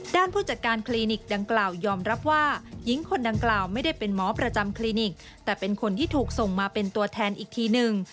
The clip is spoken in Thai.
ผู้จัดการคลินิกดังกล่าวยอมรับว่าหญิงคนดังกล่าวไม่ได้เป็นหมอประจำคลินิกแต่เป็นคนที่ถูกส่งมาเป็นตัวแทนอีกทีหนึ่ง